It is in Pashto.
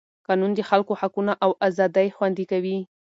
قانون د خلکو حقونه او ازادۍ خوندي کوي.